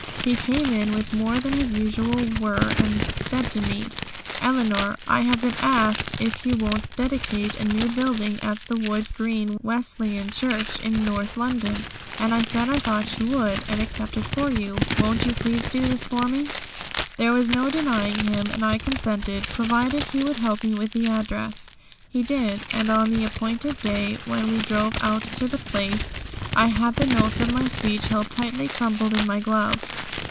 He came in with more than his usual whir, and said to me: "Eleanor, I have been asked if you won't dedicate a new building at the Wood Green Wesleyan Church in North London. I said I thought you would, and accepted for you. Won't you please do this for me?" There was no denying him, and I consented, provided he would help me with the address. He did, and on the appointed day when we drove out to the place I had the notes of my speech held tightly crumpled in my glove.